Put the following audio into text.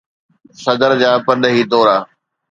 صدر جا پرڏيهي دورا